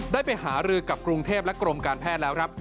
ได้ไปหารือกับกรุงเทพและกรมการแพทย์แล้วครับ